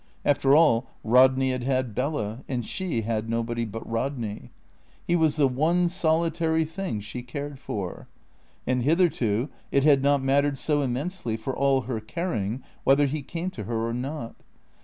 After all, Rodney had had Bella; and she had nobody but Rodney. He was the one solitary thing she cared for. And hitherto it had not mattered so immensely, for all her caring, whether he came to her or not.